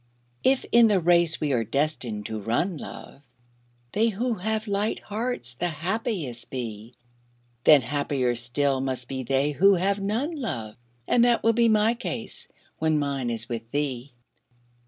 If in the race we are destined to run, love, They who have light hearts the happiest be, Then happier still must be they who have none, love. And that will be my case when mine is with thee.